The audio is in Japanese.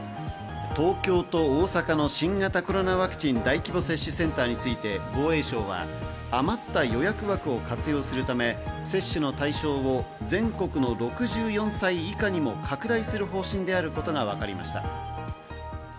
東京と大阪の新型コロナワクチン大規模接種センターについて防衛省は余った予約枠を活用するため、接種の対象を全国の６４歳以下にも拡大する方針であることがわかりました。